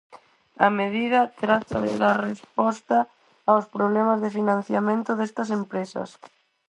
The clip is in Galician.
A medida trata de dar resposta aos problemas de financiamento destas empresas.